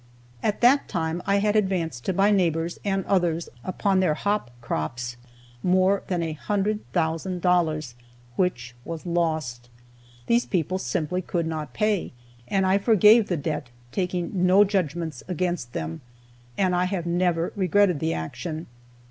At that time I had advanced to my neighbors and others upon their hop crops more than a hundred thousand dollars, which was lost. These people simply could not pay, and I forgave the debt, taking no judgments against them, and I have never regretted the action.